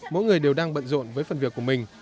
mỗi người đều đang bận rộn với phần việc của mình